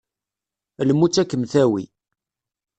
Lmut ad kem-tawi!